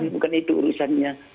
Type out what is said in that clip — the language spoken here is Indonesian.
bukan itu urusannya